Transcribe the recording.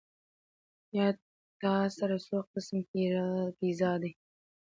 تا سره څو قسمه پېزار دي